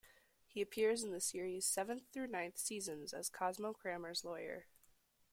He appears in the series' seventh through ninth seasons as Cosmo Kramer's lawyer.